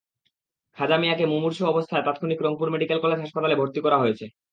খাজা মিয়াকে মুমূর্ষু অবস্থায় তাৎক্ষণিক রংপুর মেডিকেল কলেজ হাসপাতালে ভর্তি করা হয়েছে।